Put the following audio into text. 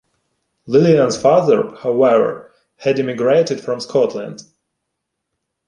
Lillian's father, however, had immigrated from Scotland.